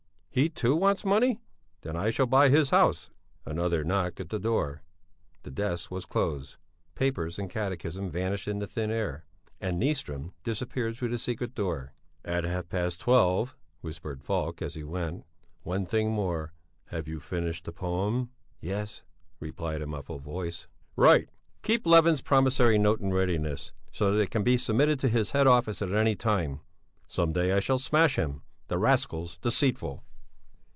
He, too, wants money? Then I shall buy his house...." Another knock at the door. The desk was closed, papers and catechism vanished into thin air, and Nyström disappeared through the secret door. "At half past twelve," whispered Falk, as he went. "One thing more! Have you finished the poem?" "Yes," replied a muffled voice. "Right! Keep Levin's promissory note in readiness, so that it can be submitted to his head office at any time. Some day I shall smash him. The rascal's deceitful."